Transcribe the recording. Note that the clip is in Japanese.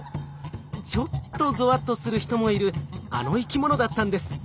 ちょっとぞわっとする人もいるあの生き物だったんです。